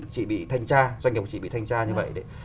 chị bị thanh tra doanh nghiệp chỉ bị thanh tra như vậy đấy